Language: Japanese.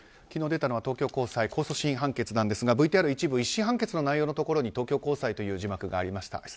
昨日出たのは東京高裁控訴審判決ですが１審判決の内容のところに東京高裁という字幕がありました。